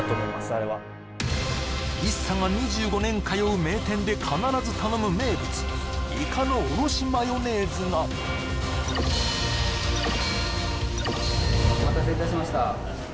あれはＩＳＳＡが２５年通う名店で必ず頼む名物イカのおろしマヨネーズが・お待たせいたしました